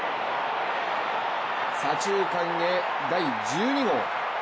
左中間へ第１２号。